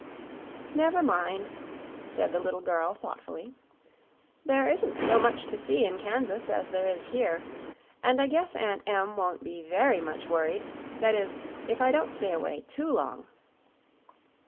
"Never mind," said the little girl, thoughtfully. "There isn't so much to see in Kansas as there is here, and I guess Aunt Em won't be VERY much worried; that is, if I don't stay away too long."